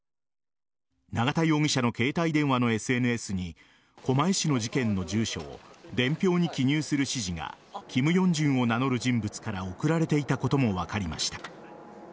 永田容疑者の携帯電話のＳＮＳに狛江市の事件の住所を伝票に記入する指示がキム・ヨンジュンを名乗る人物から送られていたことも分かりました。